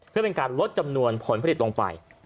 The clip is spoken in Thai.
เพื่อเป็นการลดจำนวนผลผลิตลงไป